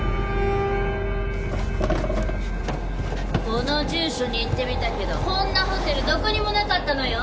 この住所に行ってみたけどこんなホテルどこにもなかったのよ！